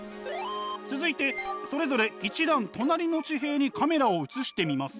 続いてそれぞれ一段隣の地平にカメラを移してみます。